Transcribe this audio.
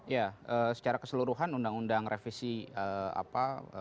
ya secara keseluruhan undang undang revisi apa